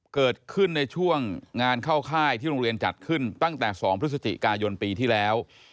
เกิดขึ้นในช่วงงานเข้าค่ายที่โรงเรียนจัดขึ้นตั้งแต่๒พฤศจิกายนปีที่แล้ว